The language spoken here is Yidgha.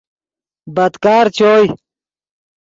بدکار چوئے